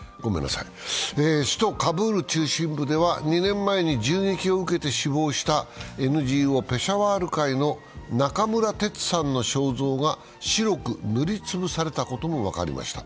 首都カブール中心部では２年前に銃撃を受けて死亡したＮＧＯペシャワール会の中村哲さんの肖像が白く塗りつぶされたことも分かりました。